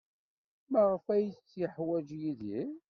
Maɣef ay tt-yeḥwaj Yidir?